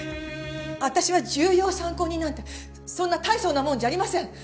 私は重要参考人なんてそんな大層な者じゃありません。